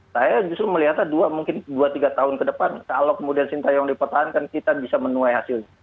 saya justru melihatnya dua mungkin dua tiga tahun ke depan kalau kemudian sintayong dipertahankan kita bisa menuai hasilnya